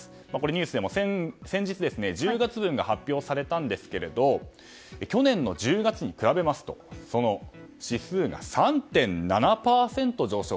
ニュースでも先日１０月分が発表されたんですが去年の１０月に比べますとその指数が３．７％上昇。